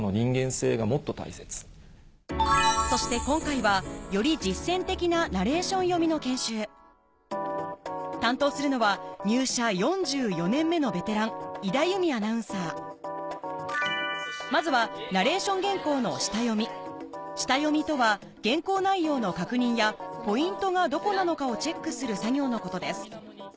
そして今回はより実践的なナレーション読みの研修担当するのは入社４４年目のベテラン井田由美アナウンサーまずは下読みとは原稿内容の確認やポイントがどこなのかをチェックする作業のことです